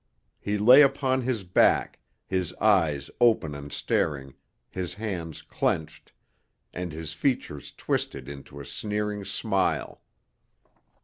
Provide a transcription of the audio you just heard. He lay upon his back, his eyes open and staring, his hands clenched, and his features twisted into a sneering smile.